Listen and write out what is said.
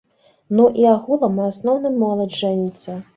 Ну і агулам у асноўным моладзь жэніцца.